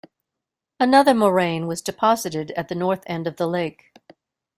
Another moraine was deposited at the north end of the lake.